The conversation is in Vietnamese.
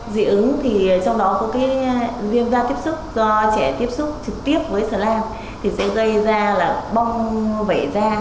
dị ứng thì trong đó có cái viêm da tiếp xúc do trẻ tiếp xúc trực tiếp với xà lan thì sẽ gây ra là bong vẩy da